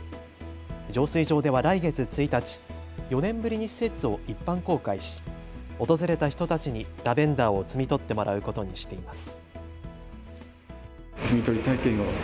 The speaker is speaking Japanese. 浄水場では来月１日、４年ぶりに施設を一般公開し訪れた人たちにラベンダーを摘み取ってもらうことにしています。